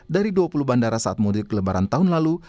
dari dua puluh bandara saat mudik lebaran tahun lalu